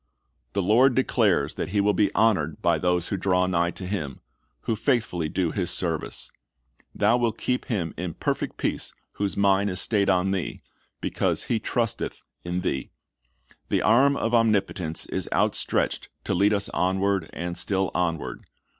"'"' The Lord declares that He will be honored by those who draw nigh to Him, who faithfully do His service. "Thou IJchn 14:6 2Ps. 7: 174 Ckrist's Object Lessons wilt keep him in perfect peace whose mind is stayed on Thee, because he trusteth in Thee."' The arm of Omnipotence is outstretched to lead us onward and still onward.